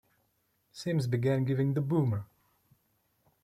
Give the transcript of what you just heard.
Sims began giving the Boomer!